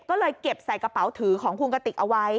ก็เลยเก็บใส่กระเป๋าถือของคุณกติกเอาไว้